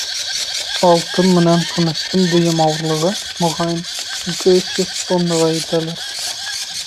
Алтын менән көмөштөң дөйөм ауырлығы, моғайын, ике-өс йөҙ тоннаға етәлер.